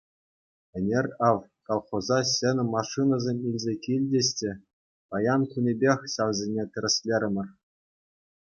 Ӗнер, ав, колхоза ҫӗнӗ машинӑсем илсе килчӗҫ те, паян кунӗпех ҫавсене тӗрӗслерӗмӗр.